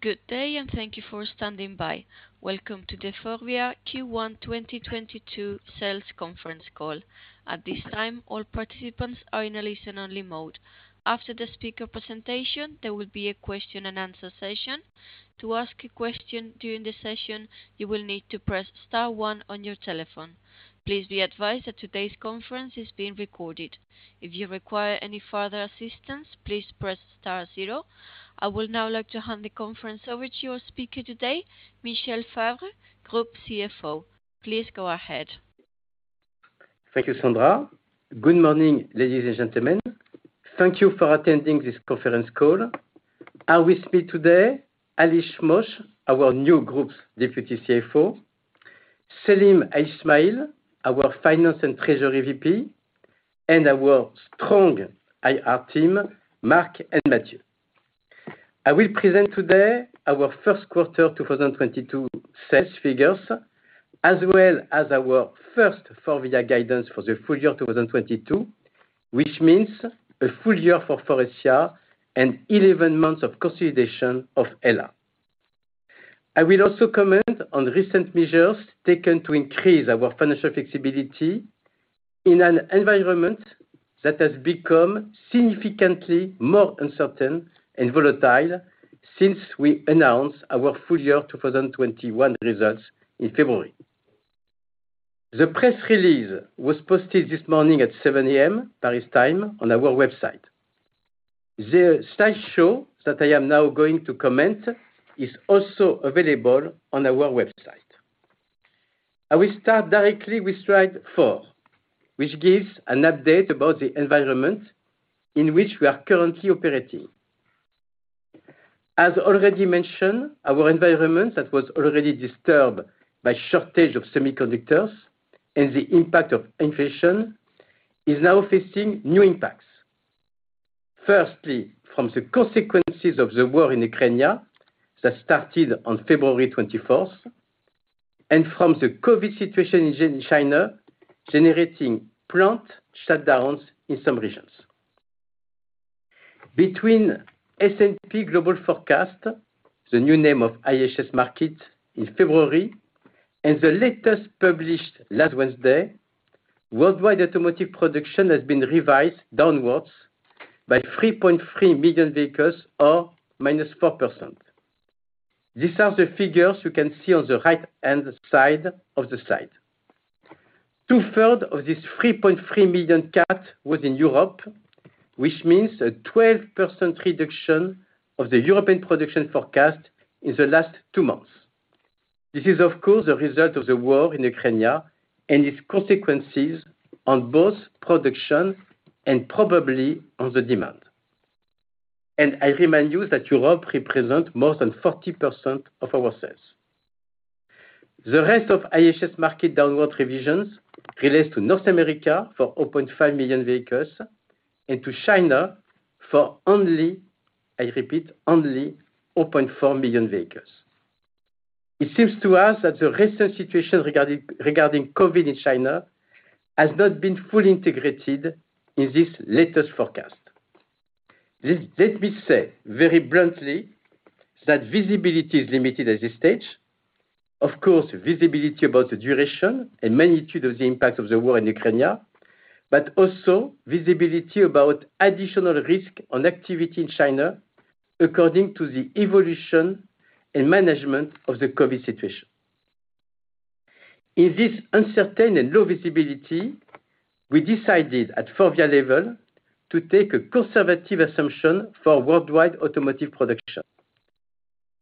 Good day, and thank you for standing by. Welcome to the Forvia Q1, 2022 Sales Conference Call. At this time, all participants are in a listen only mode. After the speaker presentation, there will be a question and answer session. To ask a question during the session, you will need to press star one on your telephone. Please be advised that today's conference is being recorded. If you require any further assistance, please press star zero. I would now like to hand the conference over to your speaker today, Michel Favre, Group CFO. Please go ahead. Thank you, Sandra. Good morning, ladies and gentlemen. Thank you for attending this conference call. With me today, Alicia Mosse, our new Group's Deputy CFO, Selim Ismail, our Finance and Treasury VP, and our strong IR team, Mark and Matthew. I will present today our first quarter 2022 sales figures, as well as our first Forvia guidance for the full year 2022, which means a full year for Faurecia and 11 months of consolidation of HELLA. I will also comment on recent measures taken to increase our financial flexibility in an environment that has become significantly more uncertain and volatile since we announced our full year 2021 results in February. The press release was posted this morning at 7.00 A.M., Paris time, on our website. The slideshow that I am now going to comment is also available on our website. I will start directly with slide four, which gives an update about the environment in which we are currently operating. As already mentioned, our environment that was already disturbed by shortage of semiconductors and the impact of inflation is now facing new impacts, firstly from the consequences of the war in Ukraine that started on February 24, and from the COVID situation in China, generating plant shutdowns in some regions. Between the S&P Global forecast, the new name of IHS Markit in February, and the latest published last Wednesday, worldwide automotive production has been revised downwards by 3.3 million vehicles or -4%. These are the figures you can see on the right-hand side of the slide. Two thirds of this 3.3 million cut was in Europe, which means a 12% reduction of the European production forecast in the last two months. This is, of course, a result of the war in Ukraine and its consequences on both production and probably on the demand. I remind you that Europe represent more than 40% of our sales. The rest of IHS Markit downward revisions relates to North America for 0.5 million vehicles and to China for only, I repeat only, 0.4 million vehicles. It seems to us that the recent situation regarding COVID in China has not been fully integrated in this latest forecast. Let me say very bluntly that visibility is limited at this stage. Of course, visibility about the duration and magnitude of the impact of the war in Ukraine, but also visibility about additional risk on activity in China according to the evolution and management of the COVID situation. In this uncertain and low visibility, we decided at Forvia level to take a conservative assumption for worldwide automotive production.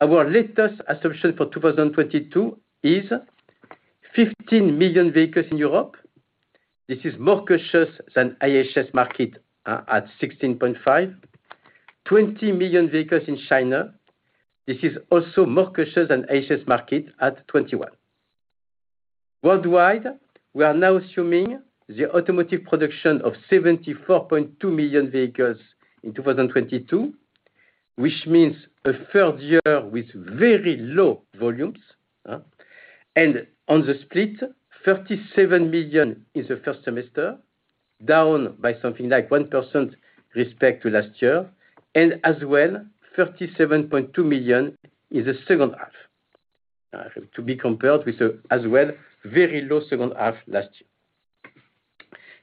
Our latest assumption for 2022 is 15 million vehicles in Europe. This is more cautious than IHS Markit at 16.5, 20 million vehicles in China. This is also more cautious than IHS Markit at 21. Worldwide, we are now assuming the automotive production of 74.2 million vehicles in 2022, which means a third year with very low volumes. On the split, 37 million in the first semester, down by something like 1% respect to last year, and as well, 37.2 million in the second half. To be compared with the as well, very low second half last year.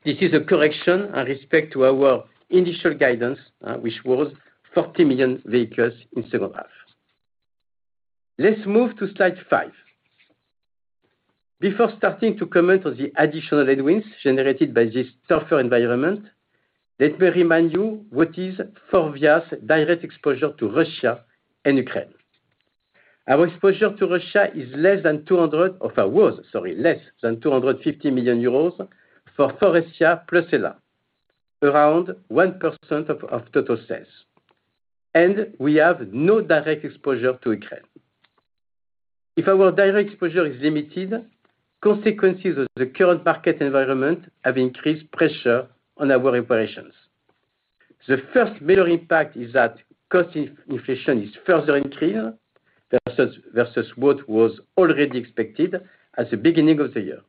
This is a correction and respect to our initial guidance, which was 40 million vehicles in second half. Let's move to slide five. Before starting to comment on the additional headwinds generated by this tougher environment, let me remind you what is Forvia's direct exposure to Russia and Ukraine. Our exposure to Russia is less than 200 or was, sorry less 250 million euros for Faurecia plus HELLA, around 1% of total sales. We have no direct exposure to Ukraine. If our direct exposure is limited, consequences of the current market environment have increased pressure on our operations. The first major impact is that cost inflation is further increased versus what was already expected at the beginning of the year.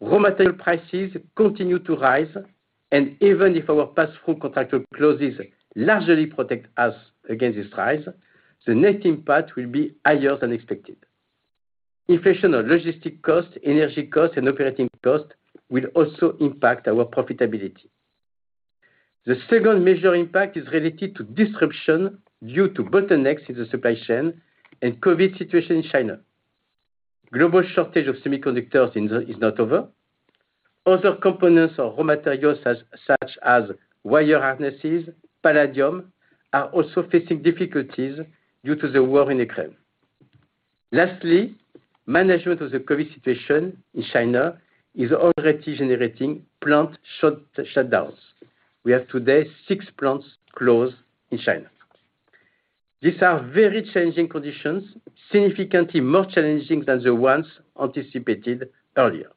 Raw material prices continue to rise, and even if our pass-through contractual clauses largely protect us against this rise, the net impact will be higher than expected. Inflation on logistic costs, energy costs, and operating costs will also impact our profitability. The second major impact is related to disruption due to bottlenecks in the supply chain and COVID situation in China. Global shortage of semiconductors is not over. Other components or raw materials, such as wire harnesses, palladium, are also facing difficulties due to the war in Ukraine. Lastly, management of the COVID situation in China is already generating plant shutdowns. We have today six plants closed in China. These are very challenging conditions, significantly more challenging than the ones anticipated earlier.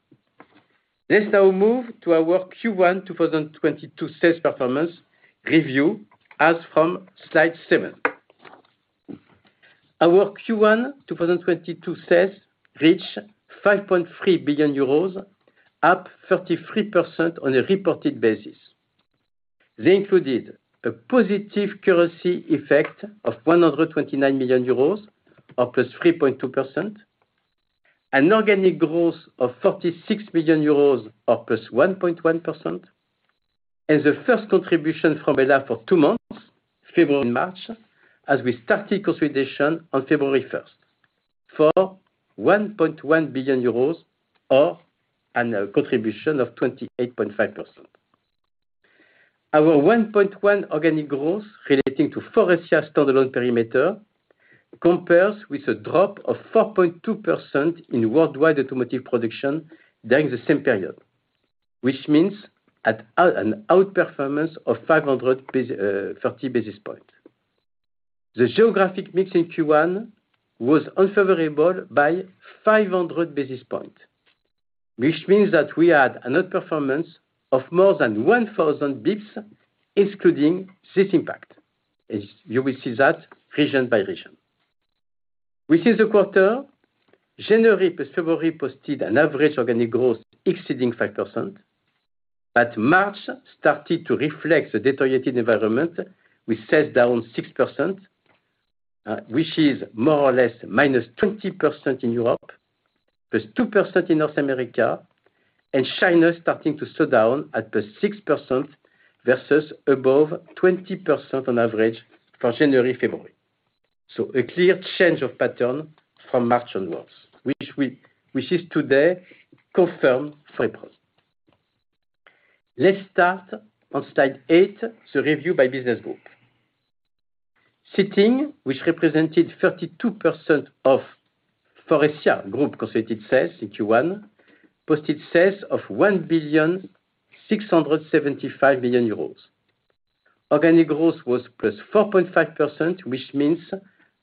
Let's now move to our Q1, 2022 sales performance review as from slide seven. Our Q1, 2022 sales reached 5.3 billion euros, up 33% on a reported basis. They included a positive currency effect of 129 million euros, up +3.2%, an organic growth of 46 million euros, up +1.1%, and the first contribution from HELLA for two months, February and March, as we started consolidation on February 1st, for 1.1 billion euros, or a contribution of 28.5%. Our 1.1% organic growth relating to Faurecia standalone perimeter compares with a drop of 4.2% in worldwide automotive production during the same period, which means an outperformance of 530 basis points. The geographic mix in Q1 was unfavorable by 500 basis points, which means that we had an outperformance of more than 1,000 basis points, including this impact, as you will see that region by region. Within the quarter, January plus February posted an average organic growth exceeding 5%, but March started to reflect the deteriorated environment, which was down 6%, which is more or less -20% in Europe, +2% in North America, and China starting to slow down at +6% versus above 20% on average for January and February. A clear change of pattern from March onwards, which is today confirmed for April. Let's start on slide eight, the review by business group. Seating, which represented 32% of Faurecia Group consolidated sales in Q1, posted sales of 1.675 billion. Organic growth was +4.5%, which means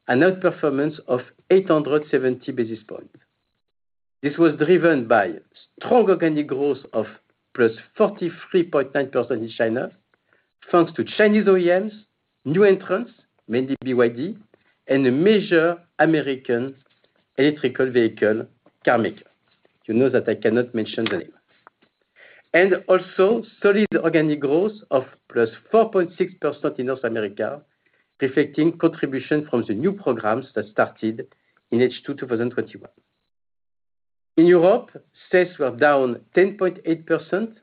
an outperformance of 870 basis points. This was driven by strong organic growth of +43.9% in China. Thanks to Chinese OEMs, new entrants, mainly BYD, and a major American electric vehicle car maker. You know that I cannot mention the name. Also, solid organic growth of +4.6% in North America, reflecting contribution from the new programs that started in H2, 2021. In Europe, sales were down 10.8%,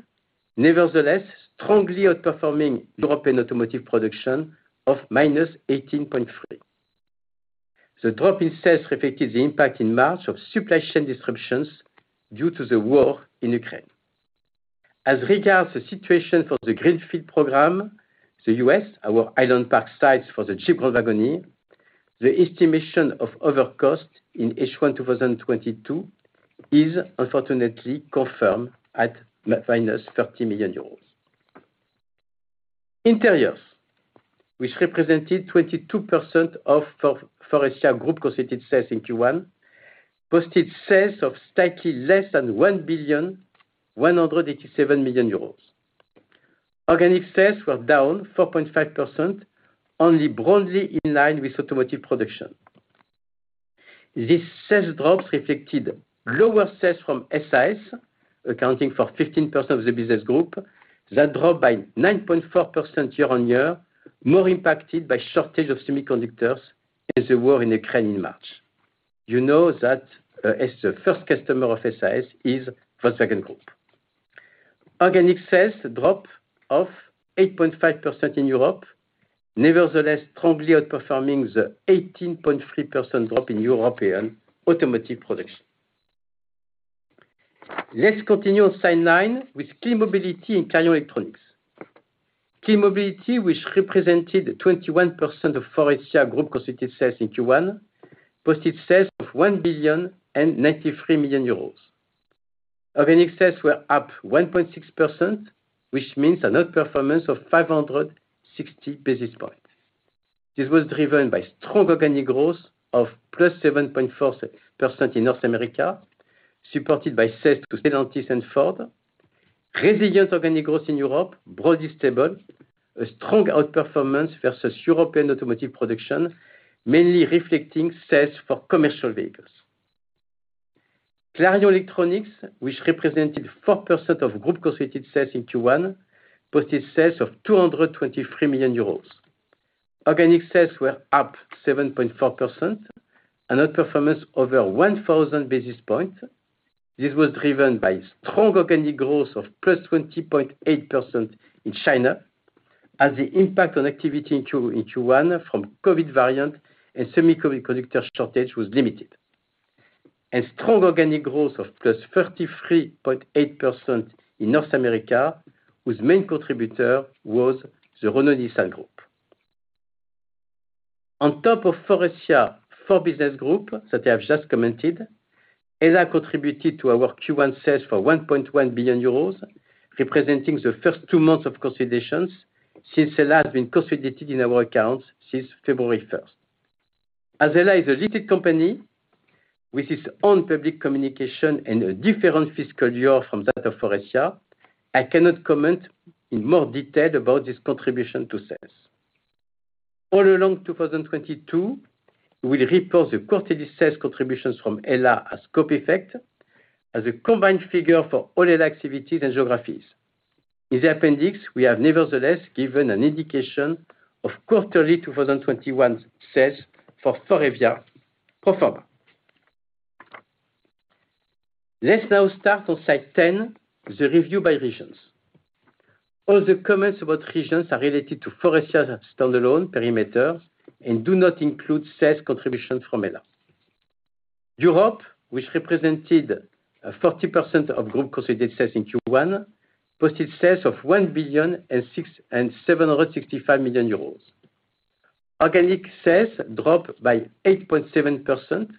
nevertheless, strongly outperforming European automotive production of -18.3%. The drop in sales reflected the impact in March of supply chain disruptions due to the war in Ukraine. As regards the situation for the Greenfield Program, the U.S., our Highland Park sites for the Jeep Wagoneer, the estimation of over cost in H1, 2022 is unfortunately confirmed at minus -30 million euros. Interiors, which represented 22% of Faurecia Group consolidated sales in Q1, posted sales of slightly less than 1.187 billion. Organic sales were down 4.5%, only broadly in line with automotive production. These sales drops reflected lower sales from SIS, accounting for 15% of the business group, that dropped by 9.4% year-on-year, more impacted by shortage of semiconductors and the war in Ukraine in March. You know that, as the first customer of SIS is Volkswagen Group. Organic sales dropped off 8.5% in Europe, nevertheless, strongly outperforming the 18.3% drop in European automotive production. Let's continue on slide nine with Clean Mobility and Clarion Electronics. Clean Mobility, which represented 21% of Faurecia Group consolidated sales in Q1, posted sales of 1,093 million euros. Organic sales were up 1.6%, which means an outperformance of 560 basis points. This was driven by strong organic growth of +7.4% in North America, supported by sales to Stellantis and Ford. Resilient organic growth in Europe brought this to a strong outperformance versus European automotive production, mainly reflecting sales for commercial vehicles. Clarion Electronics, which represented 4% of group consolidated sales in Q1, posted sales of 223 million euros. Organic sales were up 7.4%, an outperformance over 1,000 basis points. This was driven by strong organic growth of +20.8% in China, as the impact on activity in Q1 from COVID variant and semiconductor shortage was limited. A strong organic growth of +33.8% in North America, whose main contributor was the Renault-Nissan Group. On top of Faurecia's four business groups that I have just commented, HELLA contributed to our Q1 sales for 1.1 billion euros, representing the first two months of consolidation since HELLA has been consolidated in our accounts since February 1st. As HELLA is a listed company with its own public communication and a different fiscal year from that of Faurecia, I cannot comment in more detail about this contribution to sales. All along 2022, we will report the quarterly sales contributions from HELLA as scope effect as a combined figure for all HELLA activities and geographies. In the appendix, we have nevertheless given an indication of quarterly 2021 sales for Faurecia pro forma. Let's now start on slide 10, the review by regions. All the comments about regions are related to Faurecia standalone perimeters and do not include sales contributions from HELLA. Europe, which represented 40% of group consolidated sales in Q1, posted sales of 1,765 million euros. Organic sales dropped by 8.7%,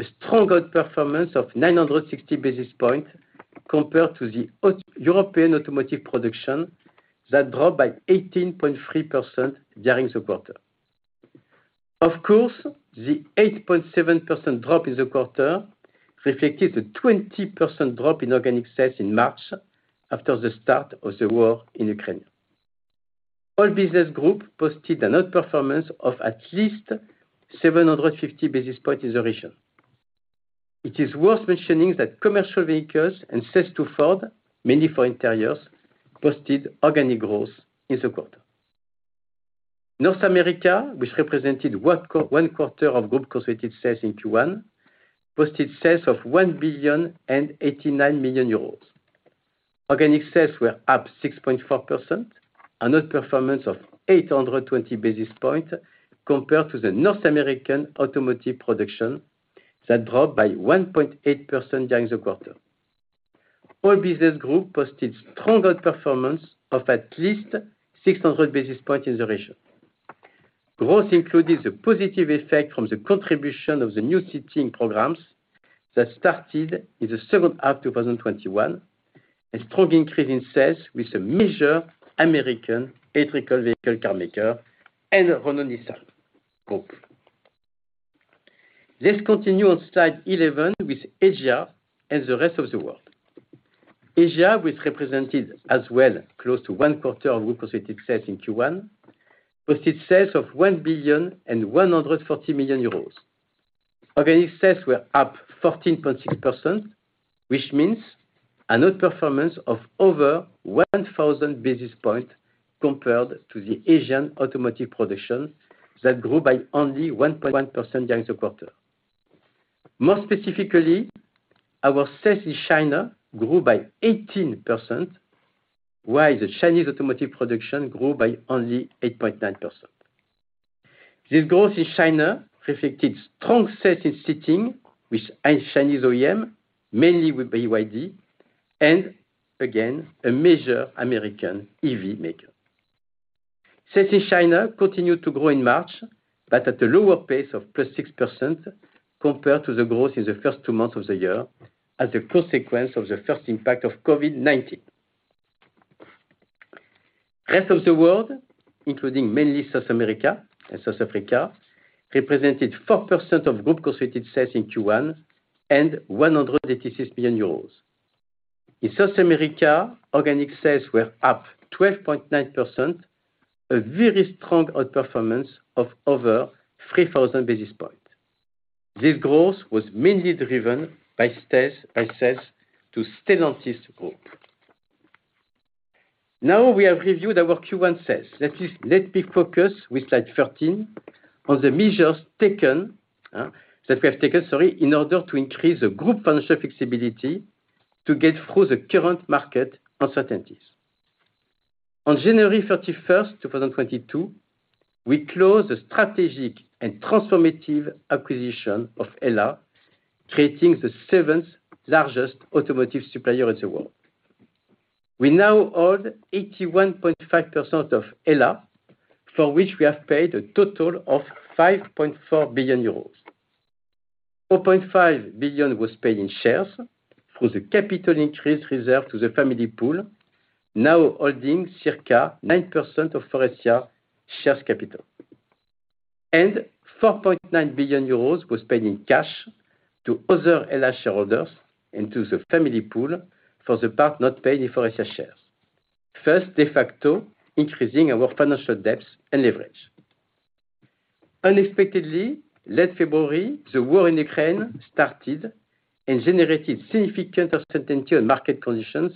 a stronger outperformance of 960 basis points compared to the European automotive production that dropped by 18.3% during the quarter. Of course, the 8.7% drop in the quarter reflected a 20% drop in organic sales in March after the start of the war in Ukraine. All business group posted an outperformance of at least 750 basis points in the region. It is worth mentioning that commercial vehicles and sales to Ford, mainly for Interiors, posted organic growth in the quarter. North America, which represented one quarter of group consolidated sales in Q1, posted sales of 1.089 billion. Organic sales were up 6.4%, an outperformance of 820 basis points compared to the North American automotive production that dropped by 1.8% during the quarter. All business group posted stronger performance of at least 600 basis points in the region. Growth included the positive effect from the contribution of the new seating programs that started in the second half of 2021, a strong increase in sales with a major American electric vehicle car maker and Renault-Nissan Group. Let's continue on slide 11 with Asia and the rest of the world. Asia, which represented as well close to one quarter of group consolidated sales in Q1, posted sales of 1.14 billion. Organic sales were up 14.6%, which means an outperformance of over 1,000 basis points compared to the Asian automotive production that grew by only 1.1% during the quarter. More specifically, our sales in China grew by 18%, while the Chinese automotive production grew by only 8.9%. This growth in China reflected strong sales in seating with a Chinese OEM, mainly with BYD and again a major American EV maker. Sales in China continued to grow in March, but at a lower pace of +6% compared to the growth in the first two months of the year as a consequence of the first impact of COVID-19. Rest of the world, including mainly South America and South Africa, represented 4% of group consolidated sales in Q1 and 186 million euros. In South America, organic sales were up 12.9%, a very strong outperformance of over 3,000 basis points. This growth was mainly driven by sales to Stellantis Group. Now, we have reviewed our Q1 sales. Let me focus with slide 13 on the measures that we have taken in order to increase the group financial flexibility to get through the current market uncertainties. On January 31st, 2022, we closed the strategic and transformative acquisition of HELLA, creating the seventh-largest automotive supplier in the world. We now own 81.5% of HELLA, for which we have paid a total of 5.4 billion euros. 4.5 billion was paid in shares through the capital increase reserve to the family pool, now holding circa 9% of Faurecia share capital. 4.9 billion euros was paid in cash to other HELLA shareholders into the Family pool for the part not paid in Faurecia shares, thereby de facto increasing our financial debts and leverage. Unexpectedly, late February, the war in Ukraine started and generated significant uncertainty on market conditions,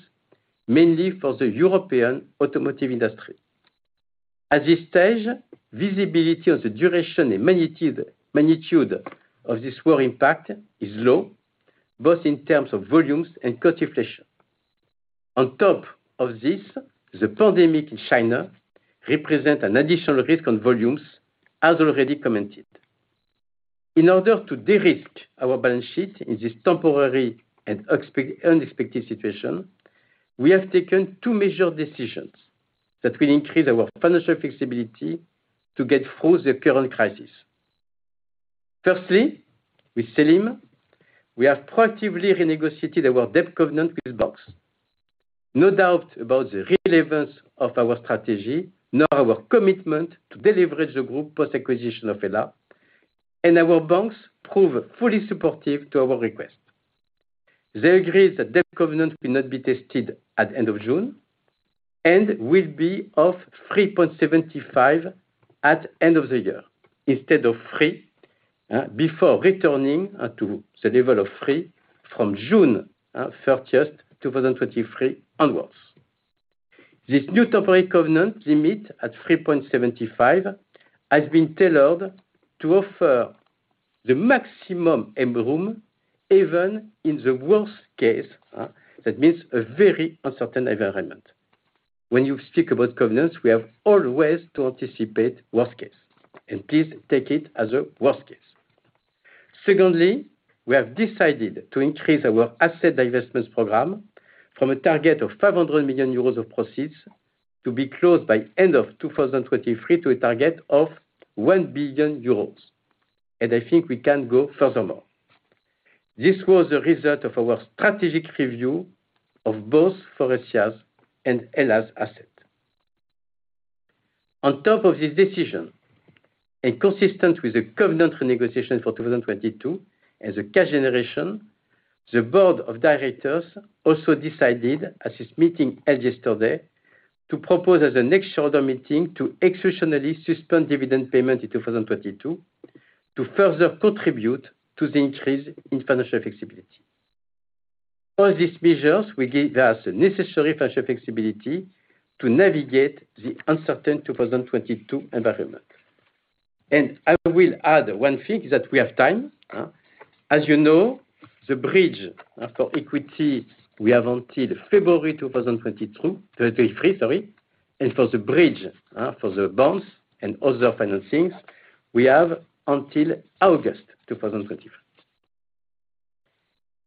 mainly for the European automotive industry. At this stage, visibility on the duration and magnitude of this war impact is low, both in terms of volumes and cost inflation. On top of this, the pandemic in China represent an additional risk on volumes, as already commented. In order to de-risk our balance sheet in this temporary and unexpected situation, we have taken two major decisions that will increase our financial flexibility to get through the current crisis. Firstly, with Selim, we have proactively renegotiated our debt covenant with banks. No doubt about the relevance of our strategy nor our commitment to deleverage the group post-acquisition of HELLA, and our banks prove fully supportive to our request. They agree the debt covenant will not be tested at end of June and will be of three point seventy five at end of the year instead of three, before returning to the level of three from June 30th, 2023 onwards. This new temporary covenant limit at three point seventy five has been tailored to offer the maximum headroom even in the worst case, that means a very uncertain environment. When you speak about covenants, we have always to anticipate worst case, and please take it as a worst case. Secondly, we have decided to increase our asset divestments program from a target of 500 million euros of proceeds to be closed by end of 2023 to a target of 1 billion euros, and I think we can go furthermore. This was a result of our strategic review of both Faurecia's and HELLA's assets. On top of this decision, and consistent with the covenant renegotiation for 2022, and the cash generation, the board of directors also decided at this meeting held yesterday to propose at the next shareholder meeting to exceptionally suspend dividend payment in 2022 to further contribute to the increase in financial flexibility. All these measures will give us the necessary financial flexibility to navigate the uncertain 2022 environment. I will add one thing that we have time, as you know, the bridge to equity we have until February 2023. For the bridge to the bonds and other financings, we have until August 2023.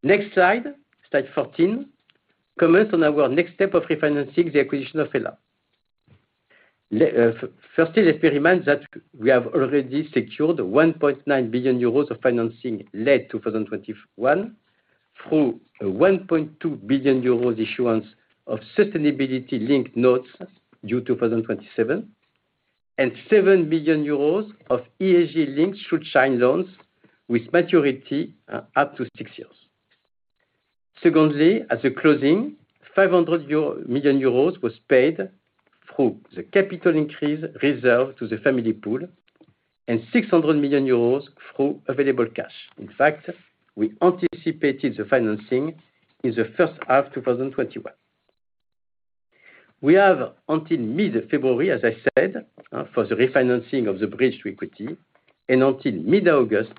Next slide 14, comments on our next step of refinancing the acquisition of HELLA. First let me remind that we have already secured 1.9 billion euros of financing late 2021 through a 1.2 billion euros issuance of sustainability-linked notes due 2027, and 700 million euros of ESG-linked Schuldschein loans with maturity up to six years. Secondly, at the closing, 500 million euros was paid through the capital increase reserve to the family pool, and 600 million euros through available cash. In fact, we anticipated the financing in the first half 2021. We have until mid-February, as I said, for the refinancing of the bridge to equity, and until mid-August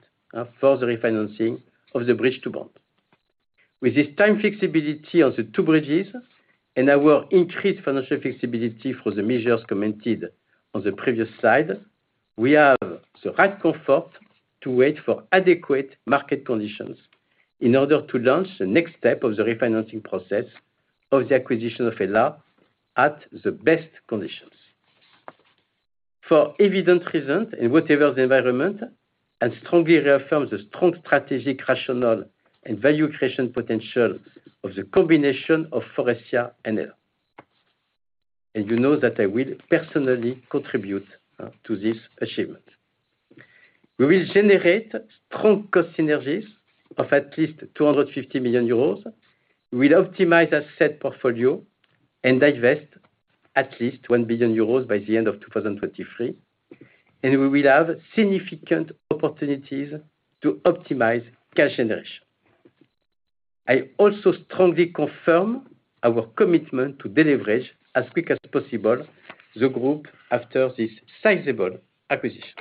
for the refinancing of the bridge to bond. With this time flexibility on the two bridges and our increased financial flexibility for the measures commented on the previous slide, we have the right comfort to wait for adequate market conditions in order to launch the next step of the refinancing process of the acquisition of HELLA at the best conditions. For evident reasons, in whatever the environment, I strongly reaffirm the strong strategic rationale and value creation potential of the combination of Faurecia and HELLA. You know that I will personally contribute to this achievement. We will generate strong cost synergies of at least 250 million euros. We'll optimize our asset portfolio and divest at least 1 billion euros by the end of 2023. We will have significant opportunities to optimize cash generation. I also strongly confirm our commitment to deleverage as quick as possible the group after this sizable acquisition.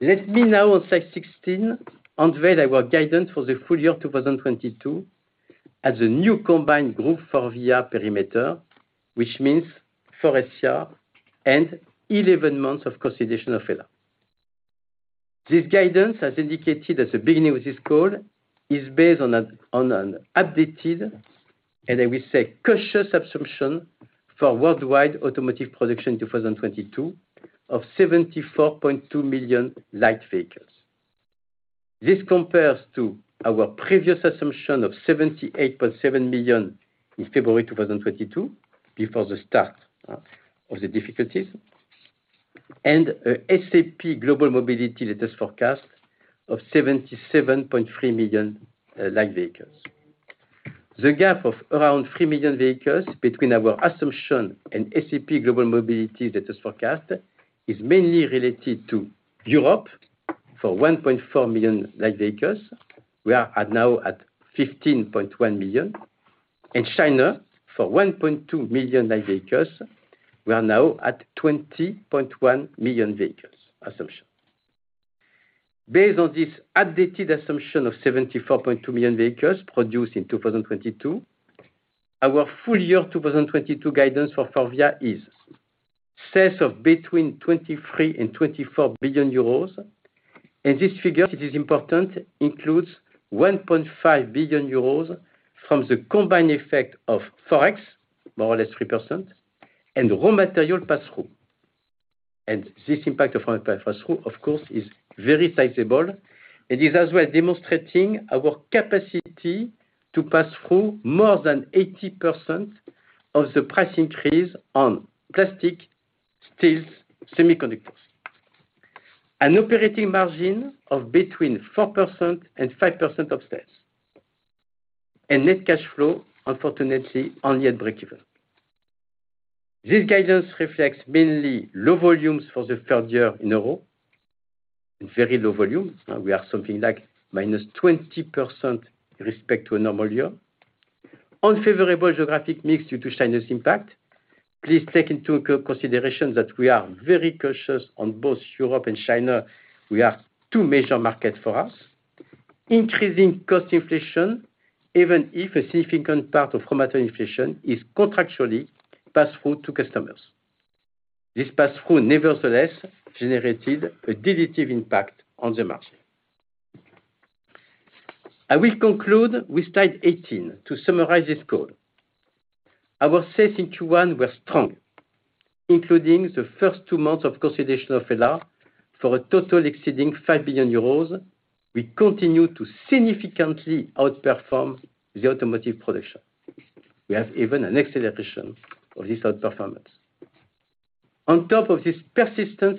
Let me now on slide 16 unveil our guidance for the full year 2022 as a new combined group Forvia perimeter, which means Faurecia and 11 months of consolidation of HELLA. This guidance, as indicated at the beginning of this call, is based on an updated, and I will say cautious assumption for worldwide automotive production in 2022 of 74.2 million light vehicles. This compares to our previous assumption of 78.7 million in February 2022, before the start of the difficulties, and S&P Global Mobility latest forecast of 77.3 million light vehicles. The gap of around 3 million vehicles between our assumption and S&P Global Mobility latest forecast is mainly related to Europe, for 1.4 million light vehicles. We are now at 15.1 million. In China, for 1.2 million light vehicles, we are now at 20.1 million vehicles assumption. Based on this updated assumption of 74.2 million vehicles produced in 2022, our full year 2022 guidance for Faurecia is sales of between 23 billion and 24 billion euros. This figure, it is important, includes 1.5 billion euros from the combined effect of Forex, more or less 3%, and raw material passthrough. This impact of raw material passthrough, of course, is very sizable. It is as well demonstrating our capacity to pass through more than 80% of the price increase on plastic, steels, semiconductors. An operating margin of between 4% and 5% of sales. Net cash flow, unfortunately, only at breakeven. This guidance reflects mainly low volumes for the third year in a row, and very low volume. We are something like -20% with respect to a normal year. Unfavorable geographic mix due to China's impact. Please take into consideration that we are very cautious on both Europe and China. They are two major markets for us. Increasing cost inflation, even if a significant part of raw material inflation is contractually passed through to customers. This pass-through, nevertheless, generated a dilutive impact on the margin. I will conclude with slide 18 to summarize this call. Our sales in Q1 were strong, including the first two months of consolidation of Faurecia for a total exceeding 5 billion euros. We continue to significantly outperform the automotive production. We have even an acceleration of this outperformance. On top of this persistent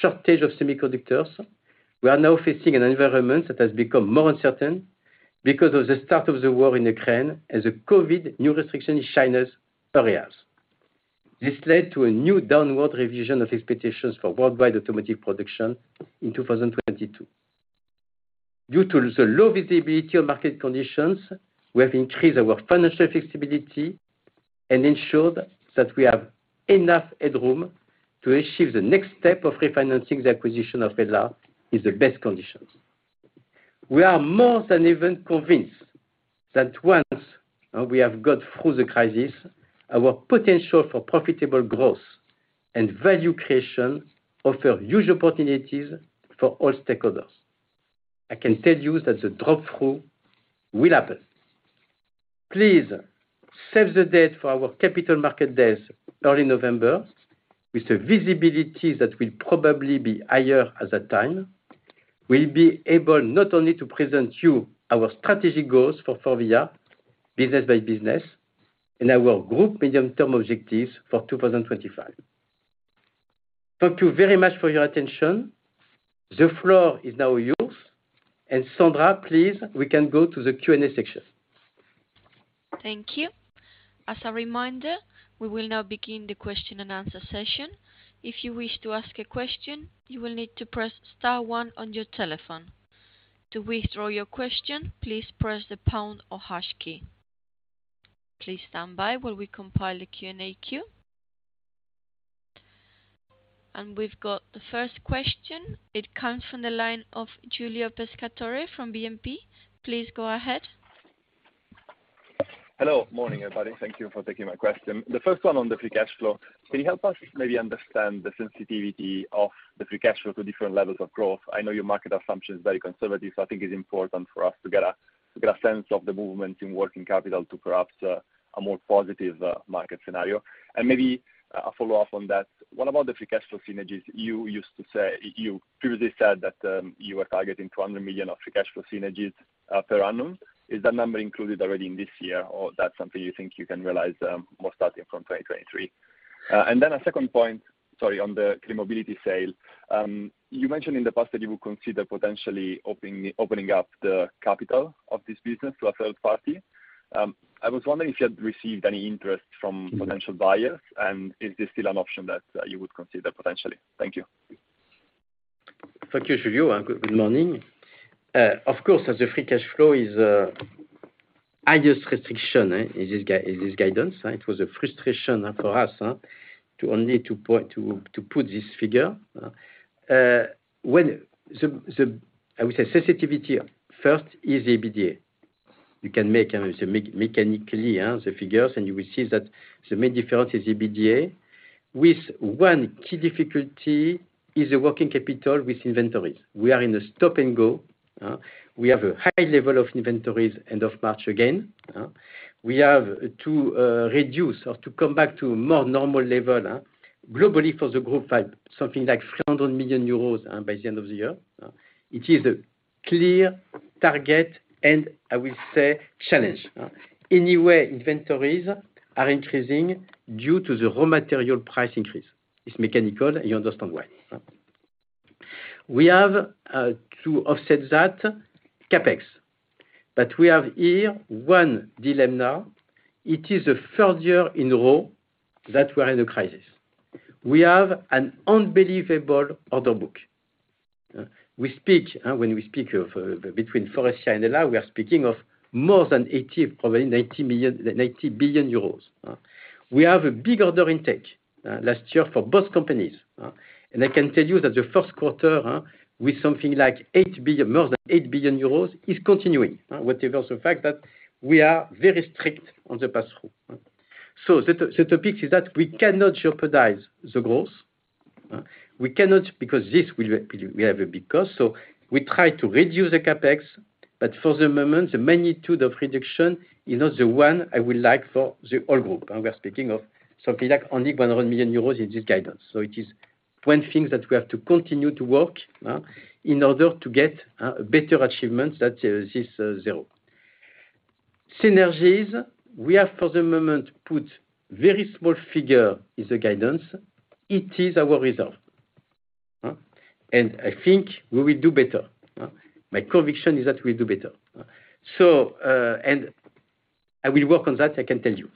shortage of semiconductors, we are now facing an environment that has become more uncertain because of the start of the war in Ukraine and the COVID new restriction in China's areas. This led to a new downward revision of expectations for worldwide automotive production in 2022. Due to the low visibility of market conditions, we have increased our financial flexibility and ensured that we have enough headroom to achieve the next step of refinancing the acquisition of Faurecia in the best conditions. We are more than even convinced that once we have got through the crisis, our potential for profitable growth and value creation offer huge opportunities for all stakeholders. I can tell you that the drop through will happen. Please save the date for our capital market days early November with the visibility that will probably be higher at that time. We'll be able not only to present you our strategic goals for Faurecia business by business and our group medium term objectives for 2025. Thank you very much for your attention. The floor is now yours. Sandra, please, we can go to the Q&A section. Thank you. As a reminder, we will now begin the question and answer session. If you wish to ask a question, you will need to press star one on your telephone. To withdraw your question, please press the pound or hash key. Please stand by while we compile a Q&A queue. We've got the first question. It comes from the line of Giulio Pescatore from BNP. Please go ahead. Hello. Good morning, everybody. Thank you for taking my question. The first one on the free cash flow, can you help us maybe understand the sensitivity of the free cash flow to different levels of growth? I know your market assumption is very conservative, so I think it's important for us to get a sense of the movement in working capital to perhaps a more positive market scenario. Maybe a follow-up on that, what about the free cash flow synergies? You previously said that you were targeting 200 million of free cash flow synergies per annum. Is that number included already in this year, or that's something you think you can realize more starting from 2023? Then a second point, sorry, on the Clean Mobility sale. You mentioned in the past that you would consider potentially opening up the capital of this business to a third party. I was wondering if you had received any interest from potential buyers. Is this still an option that you would consider potentially? Thank you. Thank you, Giulio, and good morning. Of course, as the free cash flow is highest restriction in this guidance, it was a frustration for us to put this figure. When the sensitivity first is the EBITDA. You can make the figures mechanically, and you will see that the main difference is EBITDA. One key difficulty is the working capital with inventories. We are in a stop-and-go. We have a high level of inventories end of March again. We have to reduce or to come back to more normal level, globally for the group by something like 400 million euros, by the end of the year. It is a clear target and I will say challenge. Anyway, inventories are increasing due to the raw material price increase. It's mechanical, you understand why. We have to offset that CapEx. We have here one dilemma. It is a third year in a row that we're in a crisis. We have an unbelievable order book. We speak, when we speak of, between Faurecia and HELLA, we are speaking of more than 80, probably 90 billion euros. We have a big order intake last year for both companies. I can tell you that the first quarter with something like 8 billion, more than 8 billion euros is continuing. Whatever the fact that we are very strict on the pass-through. The topic is that we cannot jeopardize the growth. We cannot because this will be, we have a big cost. We try to reduce the CapEx, but for the moment, the magnitude of reduction is not the one I would like for the whole group. We're speaking of something like only 100 million euros in this guidance. It is one thing that we have to continue to work in order to get better achievements that is zero. Synergies, we have for the moment put very small figure in the guidance. It is our reserve. I think we will do better. My conviction is that we'll do better. I will work on that, I can tell you.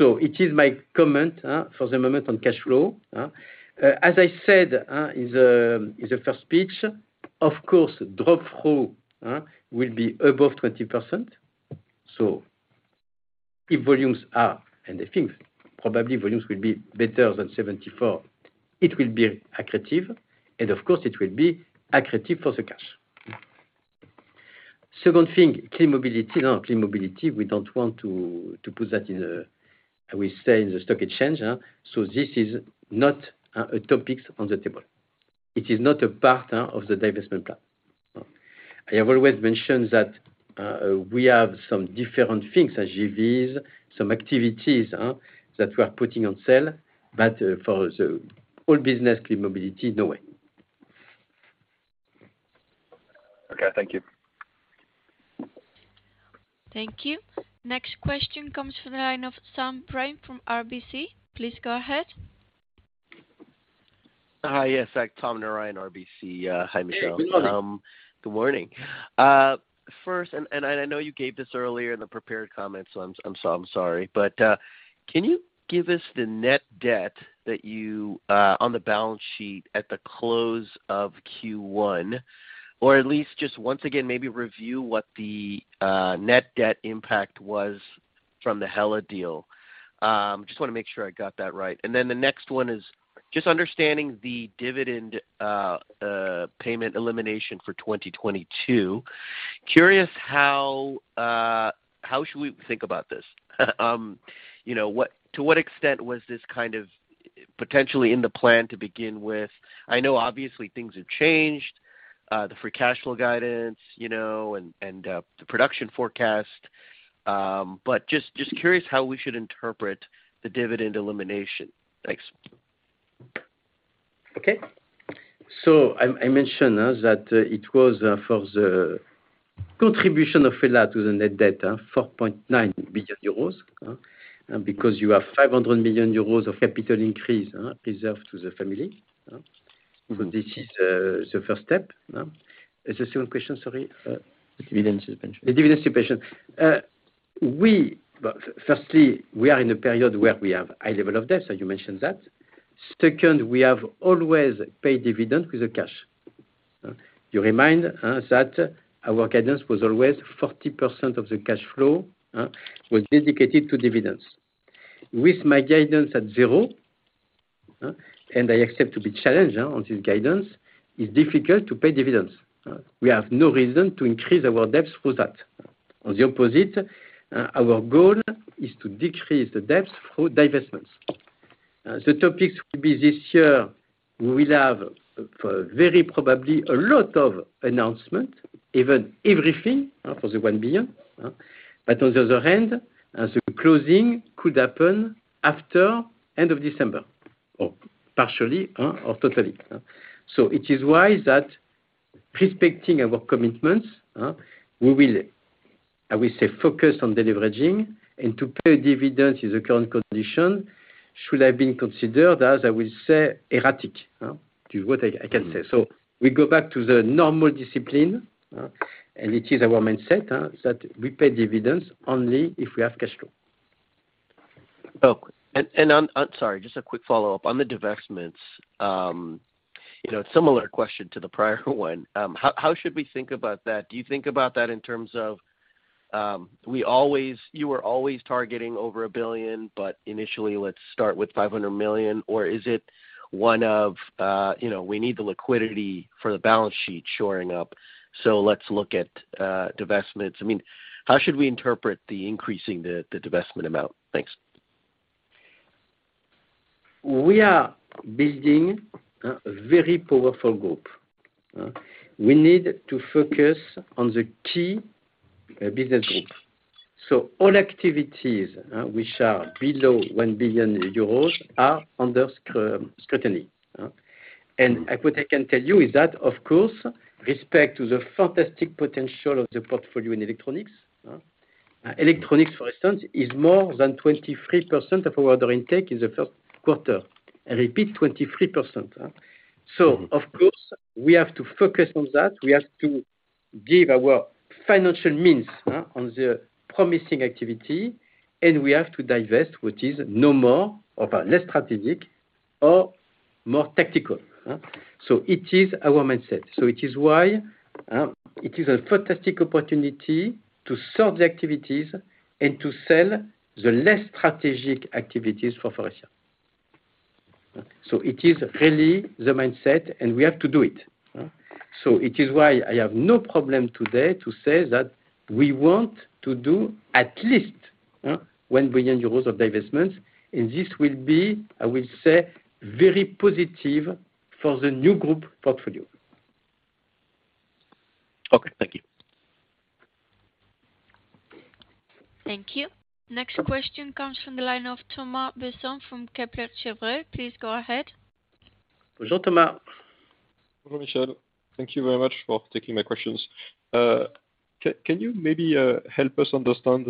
It is my comment for the moment on cash flow. As I said, in the first pitch, of course, drop through will be above 20%. If volumes are, and I think probably volumes will be better than 74%, it will be accretive. Of course, it will be accretive for the cash. Second thing, Clean Mobility. Now, Clean Mobility, we don't want to put that in a, we say, in the stock exchange. This is not a topic on the table. It is not a part of the divestment plan. I have always mentioned that, we have some different things as JVs, some activities, that we're putting on sale, but for the whole business, Clean Mobility, no way. Okay. Thank you. Thank you. Next question comes from the line of Tom Narayan from RBC. Please go ahead. Hi. Yes, Tom Narayan, RBC. Hi, Michel. Good morning. Good morning. First, I know you gave this earlier in the prepared comments, so I'm sorry. Can you give us the net debt that you have on the balance sheet at the close of Q1, or at least just once again, maybe review what the net debt impact was from the HELLA deal? Just want to make sure I got that right. Then the next one is just understanding the dividend payment elimination for 2022. Curious how should we think about this? You know, to what extent was this kind of potentially in the plan to begin with? I know obviously things have changed, the free cash flow guidance, you know, and the production forecast. Just curious how we should interpret the dividend elimination. Thanks. Okay. I mentioned that it was for the contribution of HELLA to the net debt, 4.9 billion euros, because you have 500 million euros of capital increase reserved to the family. This is the first step. What's the second question? Sorry. The dividend suspension. The dividend suspension. Firstly, we are in a period where we have high level of debt. You mentioned that. Second, we have always paid dividend with the cash. You remind us that our guidance was always 40% of the cash flow was dedicated to dividends. With my guidance at zero, and I accept to be challenged on this guidance, it's difficult to pay dividends. We have no reason to increase our debts for that. On the opposite, our goal is to decrease the debts through divestments. The topics will be this year, we will have very probably a lot of announcement, even everything for the 1 billion. On the other hand, as the closing could happen after end of December, or partially or totally. It is why that respecting our commitments, we will, I will say, focus on deleveraging and to pay dividends in the current condition should have been considered, as I will say, erratic. Is what I can say. We go back to the normal discipline, and it is our mindset that we pay dividends only if we have cash flow. Sorry, just a quick follow-up. On the divestments, you know, similar question to the prior one. How should we think about that? Do you think about that in terms of, you are always targeting over 1 billion, but initially, let's start with 500 million or is it one of, you know, we need the liquidity for the balance sheet shoring up, so let's look at divestments? I mean, how should we interpret increasing the divestment amount? Thanks. We are building a very powerful group. We need to focus on the key business group. All activities which are below 1 billion euros are under scrutiny. What I can tell you is that, of course, with respect to the fantastic potential of the portfolio in electronics. Electronics, for instance, is more than 23% of our order intake in the first quarter. I repeat, 23%. Of course, we have to focus on that. We have to give our financial means on the promising activity, and we have to divest what is normal or less strategic or more tactical. It is our mindset. It is why it is a fantastic opportunity to serve the activities and to sell the less strategic activities for Faurecia. It is really the mindset and we have to do it. It is why I have no problem today to say that we want to do at least 1 billion euros of divestments. This will be, I will say, very positive for the new group portfolio. Okay. Thank you. Thank you. Next question comes from the line of Thomas Besson from Kepler Cheuvreux. Please go ahead. Hi, Thomas. Hello, Michel. Thank you very much for taking my questions. Can you maybe help us understand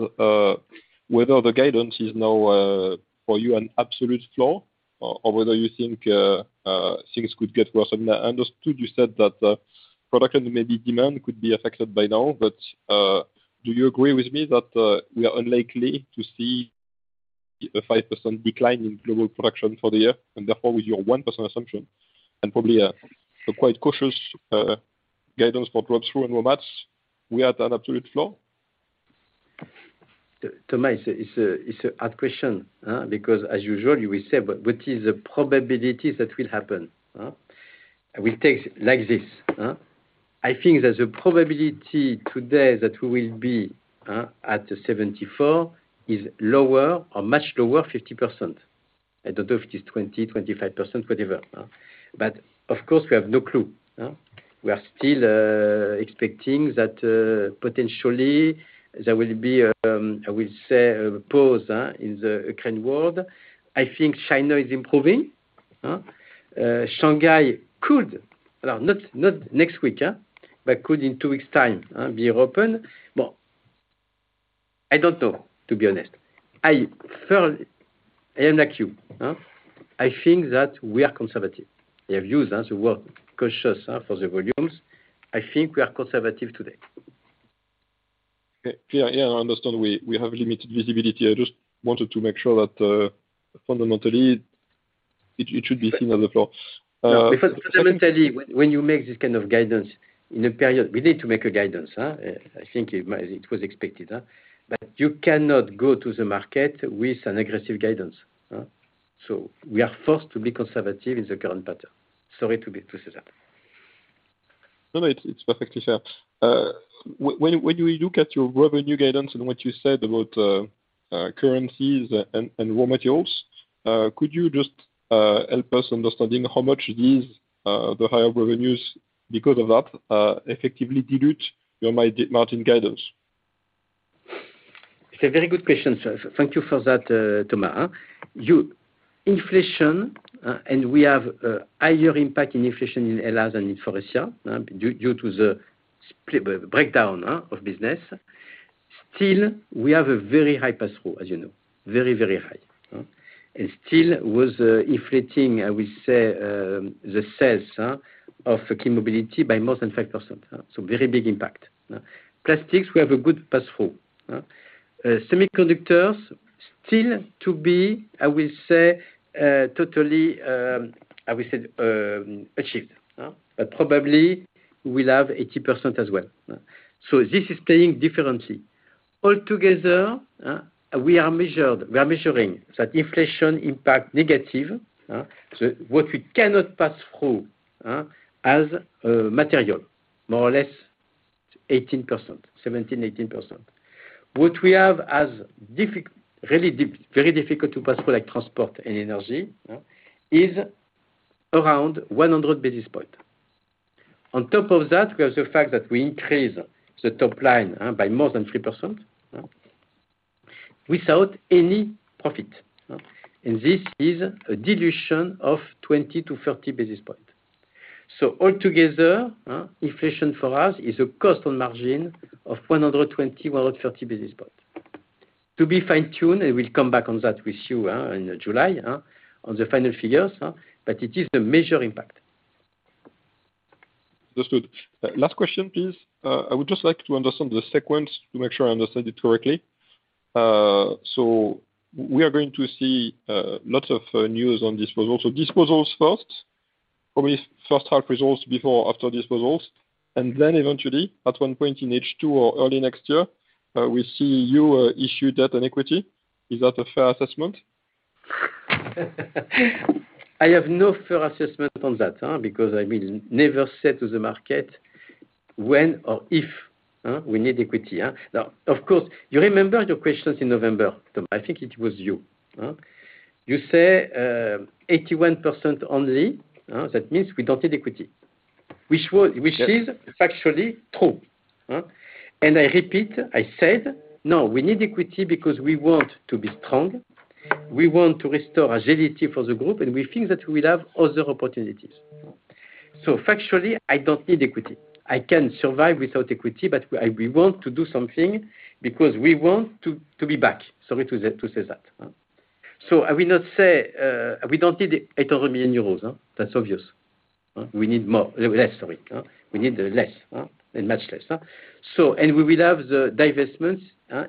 whether the guidance is now for you an absolute floor or whether you think things could get worse? I mean, I understood you said that product and maybe demand could be affected by now, but do you agree with me that we are unlikely to see a 5% decline in global production for the year and therefore with your 1% assumption and probably a quite cautious guidance for drop through raw mats, we are at an absolute floor? Thomas, it's a hard question. Because as usual you will say, but what is the probability that will happen? I will take like this. I think that the probability today that we will be at the 74% is lower or much lower 50%. I don't know if it is 20%/25%, whatever but of course, we have no clue. We are still expecting that potentially there will be, I will say, a pause in the Ukraine war. I think China is improving. Shanghai could well not next week, but could in two weeks time be open but I don't know, to be honest. I feel I am like you. I think that we are conservative. We have used the word cautious for the volumes. I think we are conservative today. Yeah. Yeah, I understand. We have limited visibility. I just wanted to make sure that fundamentally it should be seen on the floor. Fundamentally when you make this guidance in a period, we need to make a guidance. I think it was expected. You cannot go to the market with an aggressive guidance. We are forced to be conservative in the current pattern. Sorry to say that. No, no, it's perfectly fair. When you look at your revenue guidance and what you said about currencies and raw materials, could you just help us understand how much these higher revenues because of that effectively dilute your margin guidance? It's a very good question. Thank you for that, Thomas. Inflation, and we have higher impact in inflation in HELLA's than in Faurecia, due to the breakdown of business. Still, we have a very high pass-through, as you know, very, very high. Still with inflation, I will say, the sales of Clean Mobility by more than 5%. So very big impact. Plastics, we have a good pass-through. Semiconductors still to be, I will say, totally achieved, but probably we'll have 80% as well. So this is playing differently. All together, we are measuring that inflation impact negative, so what we cannot pass through, as a material more or less 18%, 17%/18%. What we have as really very difficult to pass through like transport and energy is around 100 basis points. On top of that, we have the fact that we increase the top line by more than 3% without any profit. This is a dilution of 20-30 basis points. All together, inflation for us is a cost on margin of 120-130 basis points. To be fine-tuned, we'll come back on that with you in July on the final figures, but it is a major impact. Understood. Last question, please. I would just like to understand the sequence to make sure I understand it correctly. We are going to see lots of news on disposals. Disposals first, probably first half results before or after disposals, and then eventually at one point in H2 or early next year, we see you issue debt and equity. Is that a fair assessment? I have no fair assessment on that, because I will never say to the market when or if we need equity. Now, of course, you remember your questions in November. Tom, I think it was you. You say 81% only, that means we don't need equity. Yes. Which is factually true. I repeat, I said, "No, we need equity because we want to be strong. We want to restore agility for the group, and we think that we'll have other opportunities." Factually, I don't need equity. I can survive without equity, but we want to do something because we want to be back. Sorry to say that. I will not say we don't need 800 million euros. That's obvious. We need more, less, sorry. We need less, and much less. We will have the divestments,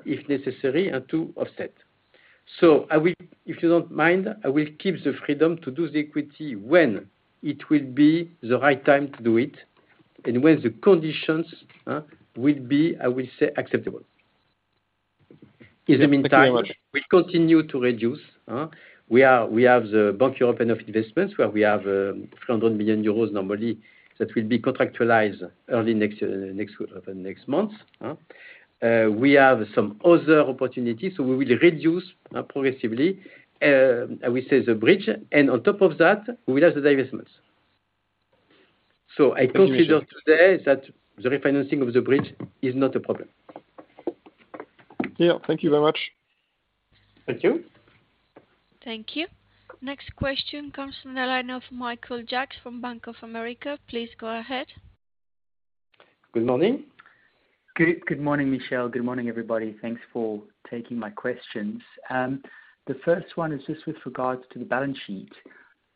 if necessary, and to offset. I will, if you don't mind, keep the freedom to do the equity when it will be the right time to do it and when the conditions will be, I will say, acceptable. Thank you very much. In the meantime, we continue to reduce. We have the European Investment Bank and divestments, where we have 300 million euros normally, that will be contractualized early next year, next month. We have some other opportunities, so we will reduce progressively. I will say the bridge, and on top of that, we'll have the divestments. I consider today that the refinancing of the bridge is not a problem. Yeah. Thank you very much. Thank you. Thank you. Next question comes from the line of Michael Jacks from Bank of America. Please go ahead. Good morning. Good morning, Michel. Good morning, everybody. Thanks for taking my questions. The first one is just with regards to the balance sheet.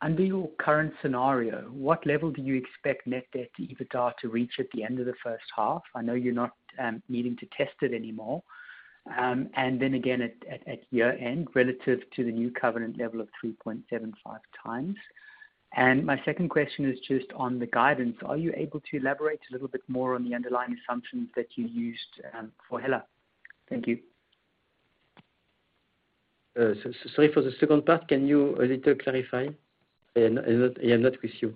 Under your current scenario, what level do you expect net debt to EBITDA to reach at the end of the first half? I know you're not needing to test it anymore. And then again at year-end, relative to the new covenant level of 3.75x. My second question is just on the guidance. Are you able to elaborate a little bit more on the underlying assumptions that you used for Hella? Thank you. Sorry for the second part, can you clarify a little? I am not with you.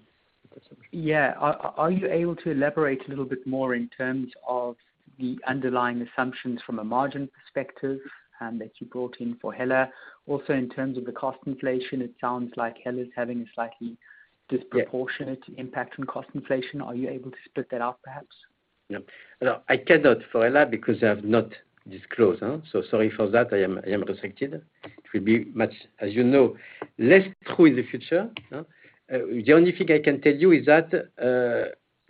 Yeah. Are you able to elaborate a little bit more in terms of the underlying assumptions from a margin perspective, that you brought in for HELLA? Also, in terms of the cost inflation, it sounds like HELLA's having a slightly disproportionate impact on cost inflation. Are you able to split that out, perhaps? Yeah. No, I cannot for HELLA because I have not disclosed. Sorry for that. I am restricted. It will be much, as you know, less que in the future. The only thing I can tell you is that,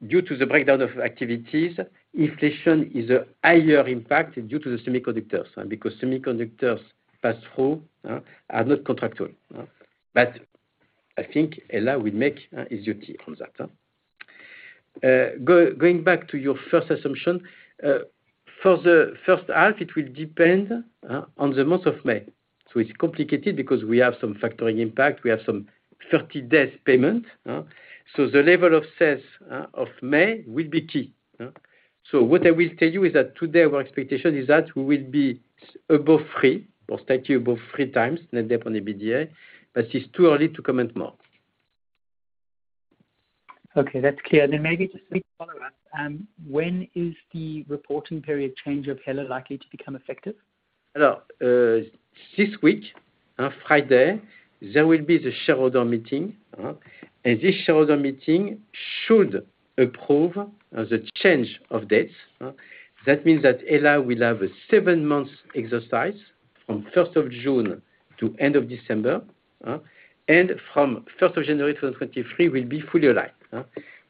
due to the breakdown of activities, inflation is a higher impact due to the semiconductors, because semiconductors pass-through are not contractual. I think HELLA will make his update on that. Going back to your first assumption, for the first half, it will depend on the month of May. It's complicated because we have some factoring impact, we have some 30 days payment. The level of sales of May will be key. What I will tell you is that today our expectation is that we will be above 3x, or slightly above 3x net debt on EBITDA, but it's too early to comment more. Okay, that's clear. Maybe just a quick follow-up. When is the reporting period change of HELLA likely to become effective? Hello. This week, on Friday, there will be the shareholder meeting. This shareholder meeting should approve the change of dates. That means that HELLA will have a seven months exercise from 1st of June to end of December. From 1st of January 2023 will be fully aligned.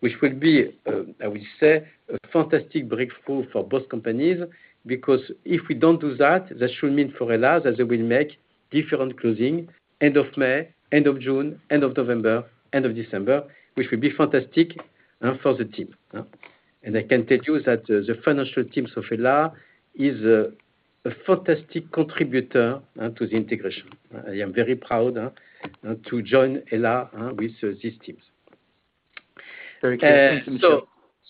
Which will be, I will say, a fantastic breakthrough for both companies, because if we don't do that should mean for HELLA that they will make different closing end of May, end of June, end of November, end of December, which will be fantastic for the team. I can tell you that the financial teams of HELLA is a fantastic contributor to the integration. I am very proud to join HELLA with these teams. Very clear. Thank you,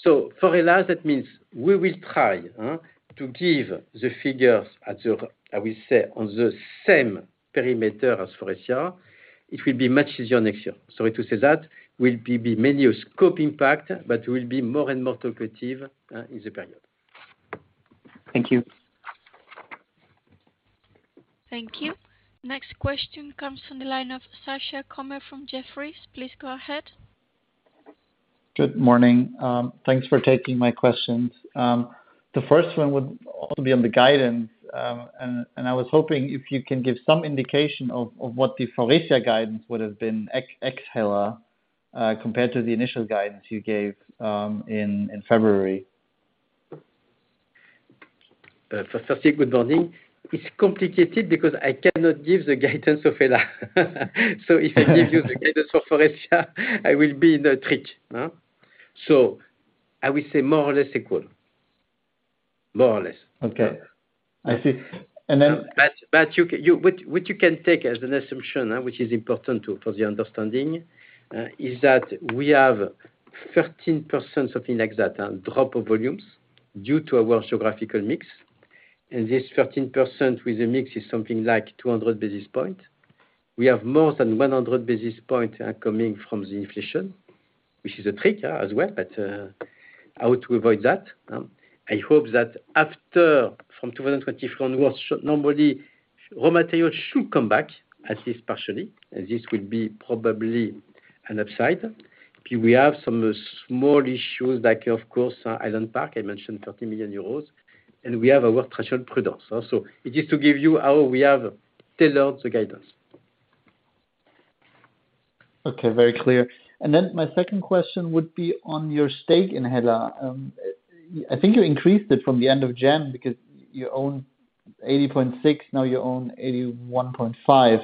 Michel. For Hella, that means we will try to give the figures at the, I will say, on the same perimeter as Faurecia. It will be much easier next year. Sorry to say that, will be mainly a scope impact, but we'll be more and more talkative in the period. Thank you. Thank you. Next question comes from the line of Sascha Gommel from Jefferies. Please go ahead. Good morning. Thanks for taking my questions. The first one would also be on the guidance. I was hoping if you can give some indication of what the Faurecia guidance would have been ex-HELLA, compared to the initial guidance you gave, in February. Sasha, good morning. It's complicated because I cannot give the guidance of HELLA. If I give you the guidance for Faurecia, I will be in a trick, huh? I will say more or less equal. More or less. Okay. I see. What you can take as an assumption, which is important for the understanding, is that we have 13%, something like that, drop of volumes due to a worse geographical mix. This 13% with the mix is something like 200 basis points. We have more than 100 basis points coming from the inflation, which is a trick, yeah, as well. How to avoid that, I hope that from 2024 onwards should normally raw material come back, at least partially, and this will be probably an upside. We have some small issues like of course Highland Park. I mentioned 30 million euros, and we have our treasury prudence also. It is to give you how we have tailored the guidance. Okay. Very clear. Then my second question would be on your stake in HELLA. I think you increased it from the end of January because you own 80.6%, now you own 81.5%.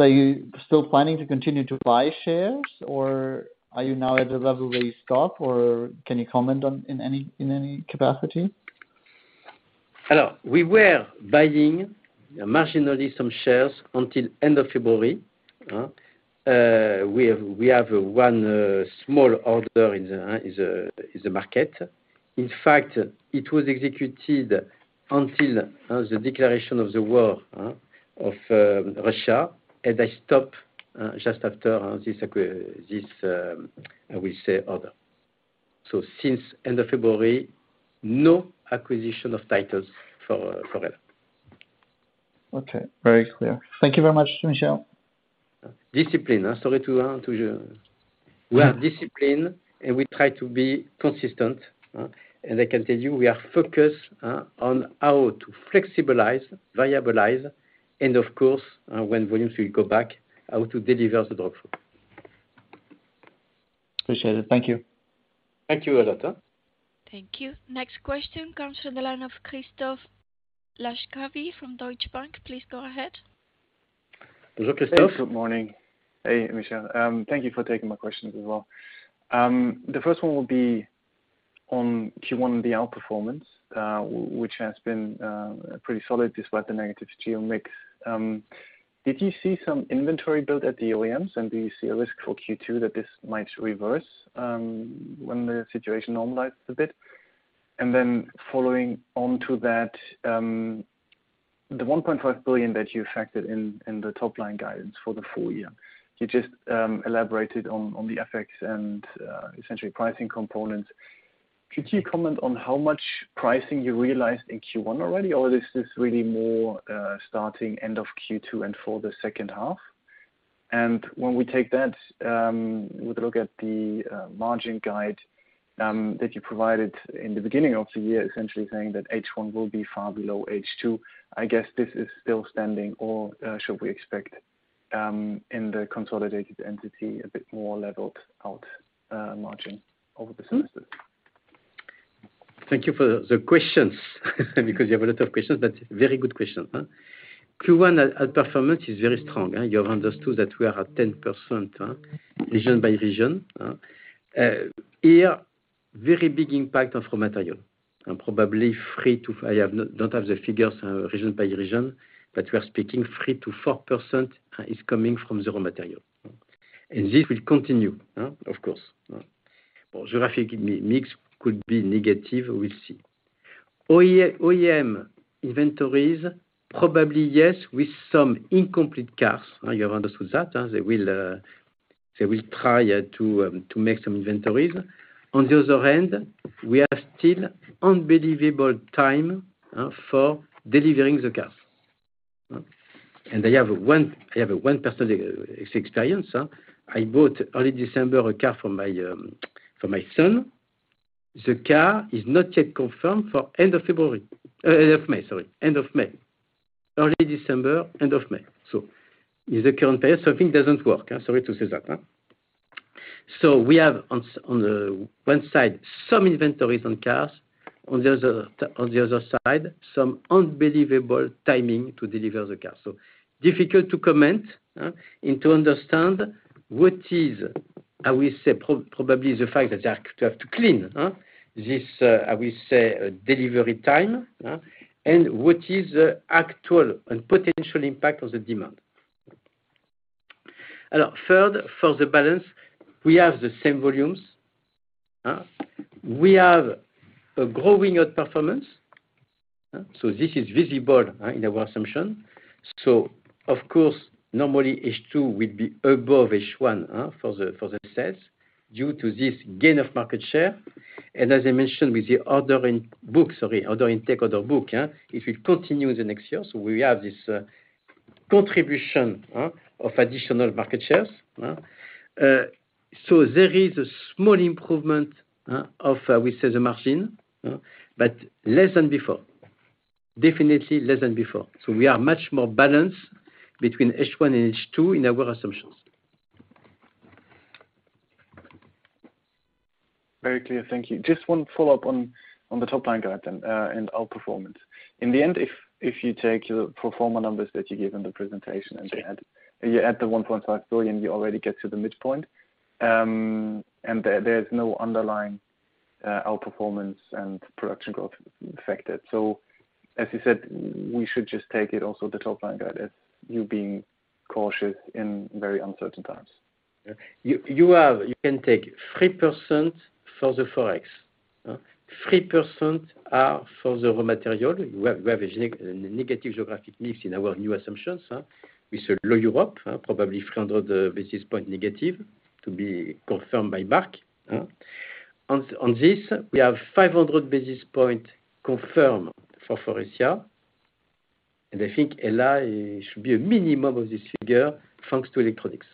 Are you still planning to continue to buy shares or are you now at a level where you stop? Can you comment on it in any capacity? Hello. We were buying marginally some shares until end of February. We have one small order in the market. In fact, it was executed until the declaration of the war of Russia, and I stopped just after this, I will say, order. Since end of February, no acquisition of titles for HELLA. Okay. Very clear. Thank you very much, Michel. Discipline. Yeah. We are disciplined, and we try to be consistent, and I can tell you we are focused on how to flexibilize, variabilize, and of course, when volumes will go back, how to deliver the drop through. Appreciate it. Thank you. Thank you, Sascha. Thank you. Next question comes from the line of Christoph Laskawi from Deutsche Bank. Please go ahead. Christoph. Good morning. Hey, Michel. Thank you for taking my questions as well. The first one will be on Q1 and the outperformance, which has been pretty solid despite the negative geo mix. Did you see some inventory build at the OEMs, and do you see a risk for Q2 that this might reverse, when the situation normalizes a bit? Following on to that, the 1.5 billion that you factored in the top line guidance for the full year, you just elaborated on the FX and essentially pricing components. Could you comment on how much pricing you realized in Q1 already, or is this really more, starting end of Q2 and for the second half? When we take that with a look at the margin guide that you provided in the beginning of the year, essentially saying that H1 will be far below H2, I guess this is still standing or should we expect in the consolidated entity a bit more levelled out margin over the semester? Thank you for the questions because you have a lot of questions, but very good questions. Q1 outperformance is very strong. You have understood that we are at 10%, region by region. Here, very big impact of raw material and probably 3%. I don't have the figures, region by region, but we are speaking 3%-4% is coming from the raw material. This will continue, of course. Geographic mix could be negative. We'll see. OEM inventories probably, yes, with some incomplete cars. You have understood that. They will try to make some inventories. On the other hand, we are still in unbelievable times for delivering the cars. I have one personal experience. I bought early December a car for my son. The car is not yet confirmed for end of February, end of May. Sorry, end of May. Early December, end of May. In the current period, something doesn't work. Sorry to say that. We have on the one side some inventories on cars, on the other side, some unbelievable timing to deliver the cars. Difficult to comment and to understand what is, I will say, probably the fact that they have to clean this, I will say delivery time, and what is the actual and potential impact of the demand. Third, for the balance, we have the same volumes. We have a growing outperformance. This is visible in our assumption. Of course, normally H2 will be above H1 for the sales due to this gain of market share. As I mentioned with the order book, it will continue the next year. We have this contribution of additional market shares. There is a small improvement of, we say, the margin, but less than before. Definitely less than before. We are much more balanced between H1 and H2 in our assumptions. Very clear. Thank you. Just one follow-up on the top line guide and outperformance. In the end, if you take your pro forma numbers that you gave in the presentation, and you add the 1.5 billion, you already get to the midpoint and there's no underlying outperformance and production growth affected. As you said, we should just take it also the top line guide as you being cautious in very uncertain times. You can take 3% for the Forex. 3% are for the raw material. We have a negative geographic mix in our new assumptions. [In] Europe, probably 300 basis points negative to be confirmed by Mark. On this, we have 500 basis points confirmed for Faurecia. I think Hella should be a minimum of this figure, thanks to electronics.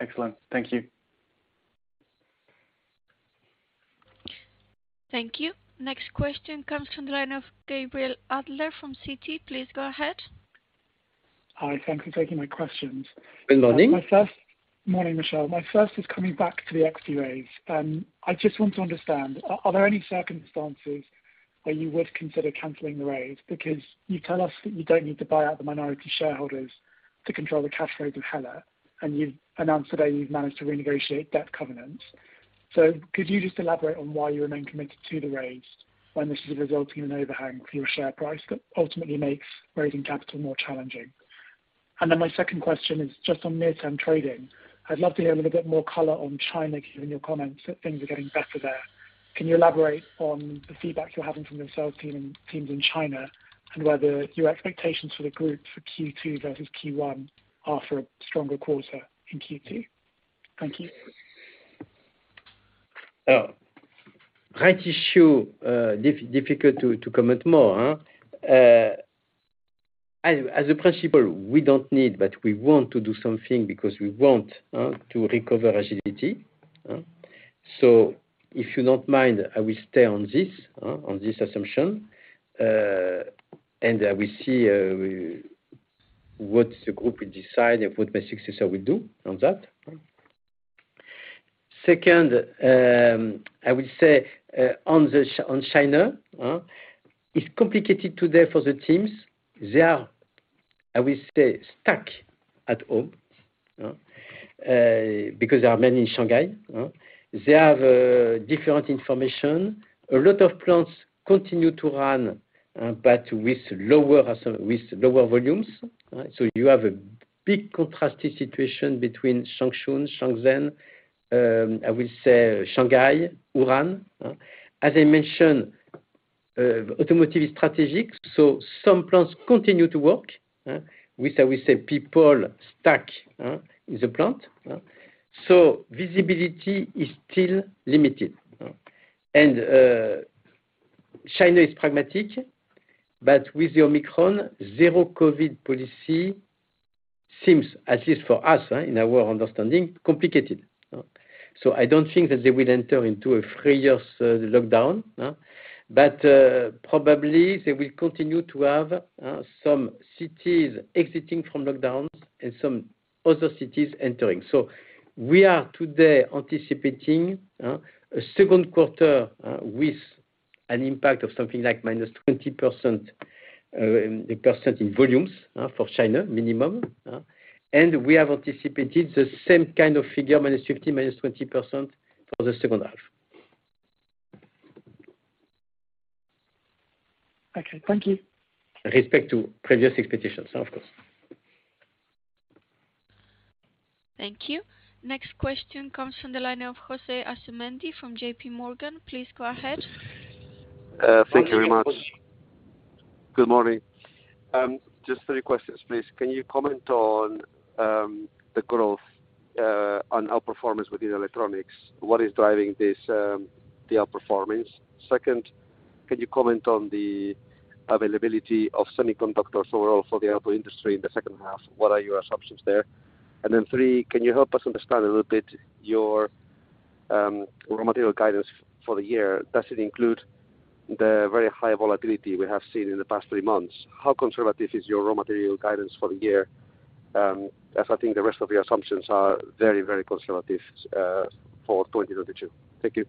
Excellent. Thank you. Thank you. Next question comes from the line of Gabriel Adler from Citi. Please go ahead. Hi. Thank you for taking my questions. Good morning. Morning, Michel. My first is coming back to the equity raise. I just want to understand. Are there any circumstances where you would consider cancelling the raise? Because you tell us that you don't need to buy out the minority shareholders to control the cash flows of Hella, and you've announced today you've managed to renegotiate debt covenants. Could you just elaborate on why you remain committed to the raise when this is resulting in an overhang for your share price that ultimately makes raising capital more challenging? Then my second question is just on midterm trading. I'd love to hear a little bit more color on China, given your comments that things are getting better there. Can you elaborate on the feedback you're having from the sales team and teams in China, and whether your expectations for the group for Q2 versus Q1 are for a stronger quarter in Q2? Thank you. Rights issue, difficult to comment more. In principle, we don't need, but we want to do something because we want to recover agility. If you don't mind, I will stay on this assumption. We see what the group will decide and what my successor will do on that. Second, I will say on China, it's complicated today for the teams. They are, I will say, stuck at home because there are many in Shanghai. They have different information. A lot of plants continue to run, but with lower volumes. You have a big contrasting situation between Changchun, Shenzhen, I will say Shanghai, Wuhan. As I mentioned, automotive is strategic, so some plants continue to work with people stuck in the plant. Visibility is still limited. China is pragmatic, but with the Omicron, zero-COVID policy seems, at least for us, in our understanding, complicated. I don't think that they will enter into a three years lockdown. Probably they will continue to have some cities exiting from lockdowns and some other cities entering. We are today anticipating a second quarter with an impact of something like minus 20 percent in percent in volumes for China, minimum. We have anticipated the same kind of figure, -15%/-20% percent for the second half. Okay, thank you. Respect to previous expectations, of course. Thank you. Next question comes from the line of Jose Asumendi from JP Morgan. Please go ahead. Thank you very much. Good morning. Just three questions, please. Can you comment on the growth on outperformance within electronics? What is driving this, the outperformance? Second, can you comment on the availability of semiconductors overall for the auto industry in the second half? What are your assumptions there? Three, can you help us understand a little bit your raw material guidance for the year? Does it include the very high volatility we have seen in the past three months? How conservative is your raw material guidance for the year? As I think the rest of your assumptions are very, very conservative for 2022. Thank you.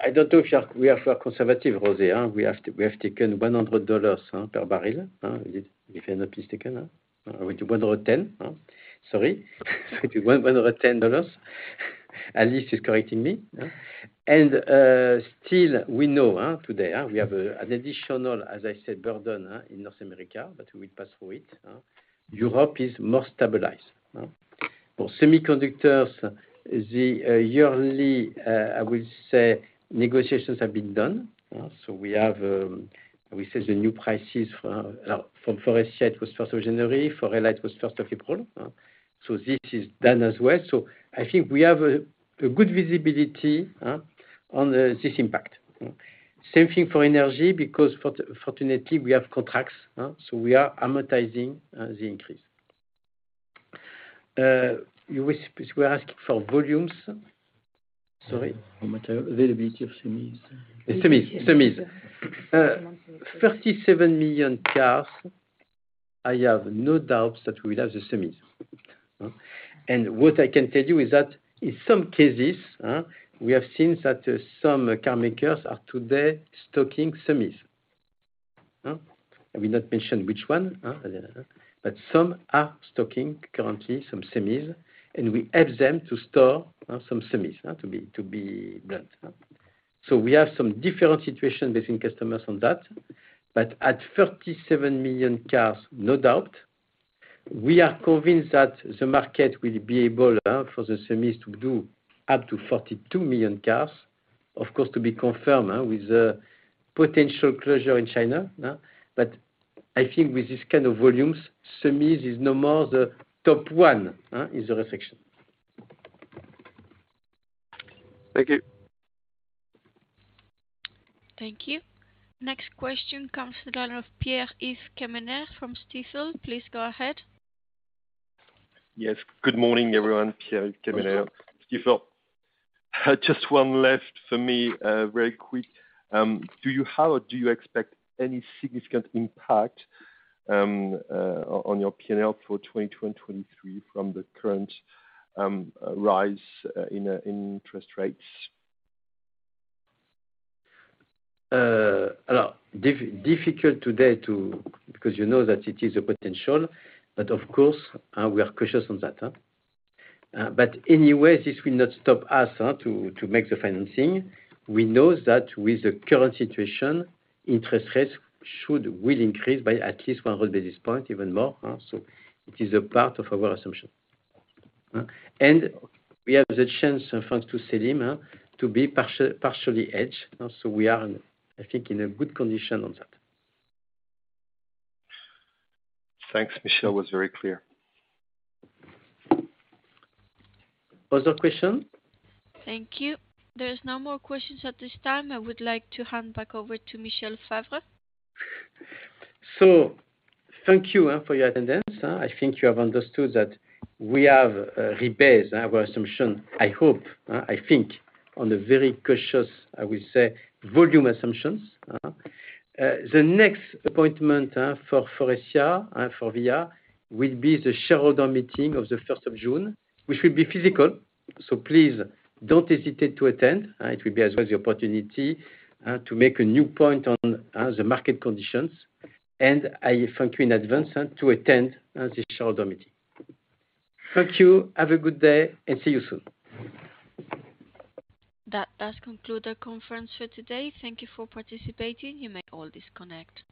I don't know if we are conservative, Jose. We have taken $100 per barrel. If nothing's taken with $110. Sorry. With $110. At least he is correcting me. Still, we know today we have an additional, as I said, burden in North America, but we'll pass through it. Europe is more stabilized. For semiconductors, the yearly negotiations have been done. So we say the new prices from Faurecia was first of January. For HELLA it was first of April. So this is done as well. So I think we have a good visibility on this impact. Same thing for energy because fortunately we have contracts, so we are amortizing the increase. You were asking for volumes. Sorry. Raw material availability of semis. 37 million cars, I have no doubts that we will have the semis. What I can tell you is that in some cases, we have seen that some car makers are today stocking semis. I will not mention which one, but some are stocking currently some semis, and we help them to store some semis, to be blunt. We have some different situation between customers on that. At 37 million cars, no doubt, we are convinced that the market will be able for the semis to do up to 42 million cars, of course, to be confirmed with the potential closure in China. I think with this kind of volumes, semis is no more the top one in the reflection. Thank you. Thank you. Next question comes from the line of Pierre-Yves Quémener from Stifel. Please go ahead. Yes. Good morning, everyone. Pierre-Yves Quémener, Stifel. Just one left for me, very quick. Do you have or do you expect any significant impact on your PnL for 2022 and 2023 from the current rise in interest rates? No. Difficult today to because you know that it is a potential, but of course, we are cautious on that. Anyway, this will not stop us to make the financing. We know that with the current situation, interest rates should will increase by at least 100 basis points, even more, so it is a part of our assumption. We have the chance, thanks to Selim, to be partially hedged. We are, I think, in a good condition on that. Thanks, Michel. That was very clear. Other question? Thank you. There's no more questions at this time. I would like to hand back over to Michel Favre. Thank you for your attendance. I think you have understood that we have rebased our assumption, I hope, I think, on a very cautious, I will say, volume assumptions. The next appointment for this year for Forvia will be the shareholder meeting of the 1st of June, which will be physical. Please don't hesitate to attend. It will be as well the opportunity to make a new point on the market conditions. I thank you in advance to attend the shareholder meeting. Thank you. Have a good day, and see you soon. That does conclude our conference for today. Thank you for participating. You may all disconnect.